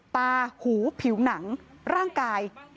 ตาหูผิวหนังร่างกาย